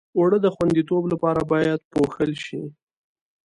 اوړه د خوندیتوب لپاره باید پوښل شي